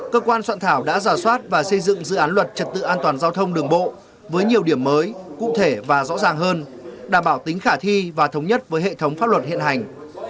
cơ quan soạn thảo đã giả soát và xây dựng dự án luật trật tự an toàn giao thông đường bộ với nhiều điểm mới cụ thể và rõ ràng hơn đảm bảo tính khả thi và thống nhất với hệ thống pháp luật hiện hành